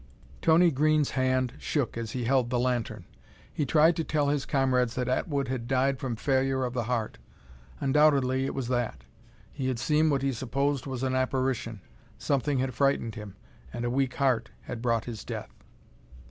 Tony Green's hand shook as he held the lantern. He tried to tell his comrades that Atwood had died from failure of the heart. Undoubtedly it was that. He had seen what he supposed was an apparition; something had frightened him; and a weak heart had brought his death.